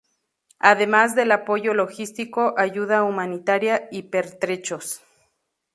Además del apoyo logístico, ayuda humanitaria y pertrechos.